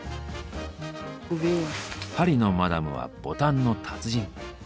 パリのマダムはボタンの達人。